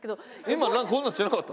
今こんなんしてなかった？